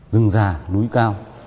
rừng già núi cao